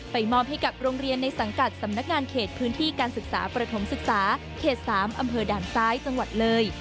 มอบให้กับโรงเรียนในสังกัดสำนักงานเขตพื้นที่การศึกษาประถมศึกษาเขต๓อำเภอด่านซ้ายจังหวัดเลย